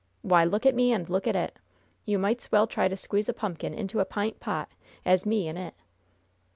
Why, look at me and look at it! You might's well try to squeeze a pumpkin into a pint pot, as me in it!"